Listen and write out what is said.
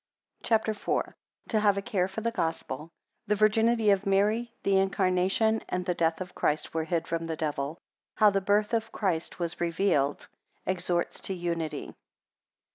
CHAPTER IV. 1 To have a care for the Gospel. 9 The virginity of Mary, the incarnation, and the death of Christ, were hid from the Devil. 11 How the birth of Christ was revealed. 16 Exhorts to unity.